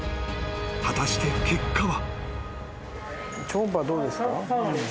［果たして結果は］